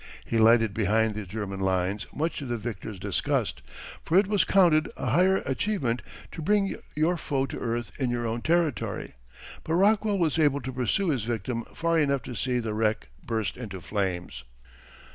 He lighted behind the German lines much to the victor's disgust, for it was counted a higher achievement to bring your foe to earth in your own territory. But Rockwell was able to pursue his victim far enough to see the wreck burst into flames.